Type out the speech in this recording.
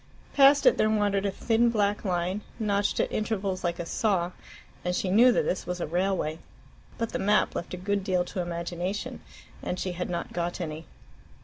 Past it there wandered a thin black line, notched at intervals like a saw, and she knew that this was a railway. But the map left a good deal to imagination, and she had not got any.